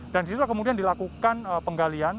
dan disitu kemudian dilakukan penggalian